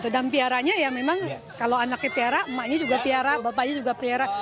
dan piaranya ya memang kalau anaknya piara emaknya juga piara bapaknya juga piara